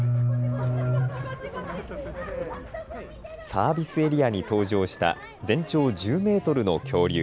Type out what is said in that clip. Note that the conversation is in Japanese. サービスエリアに登場した全長１０メートルの恐竜。